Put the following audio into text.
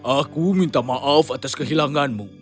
aku minta maaf atas kehilanganmu